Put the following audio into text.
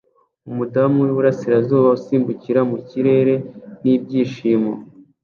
umudamu wiburasirazuba usimbukira mu kirere n'ibyishimo